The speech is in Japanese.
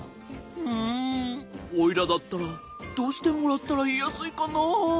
うんおいらだったらどうしてもらったらいいやすいかな。